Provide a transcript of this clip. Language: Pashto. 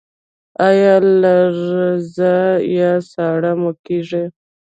ایا لرزه یا ساړه مو کیږي؟